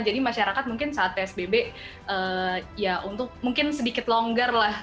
jadi masyarakat mungkin saat sbb ya untuk mungkin sedikit longgar lah